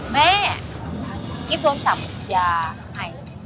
แม่กิ๊บโดนจับยาไข่